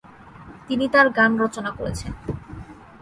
তিনি তার গান রচনা করেছেন।